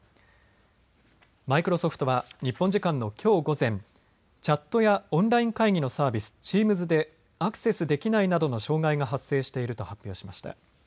マイクロソフトは日本時間のきょう午前、チャットやオンライン会議のサービス、チームズでアクセスできないなどの障害が発生していると発表しました。